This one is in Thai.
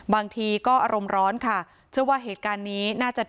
บางทีก็อารมณ์ร้อนค่ะเชื่อว่าเหตุการณ์นี้น่าจะ